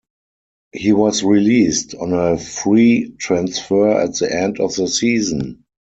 He was released on a free transfer at the end of the season.